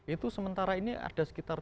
itu sementara ini ada sekitar tiga belas